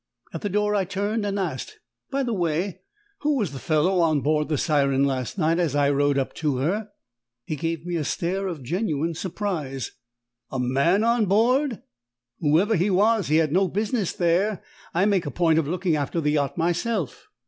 At the door I turned and asked, "By the way, who was the fellow on board the Siren last night as I rowed up to her?" He gave me a stare of genuine surprise. "A man on board? Whoever he was, he had no business there. I make a point of looking after the yacht myself."